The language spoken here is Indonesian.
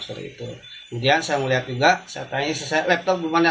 kemudian saya melihat juga saya tanya laptop gimana